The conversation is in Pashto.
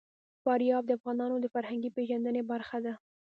فاریاب د افغانانو د فرهنګي پیژندنې برخه ده.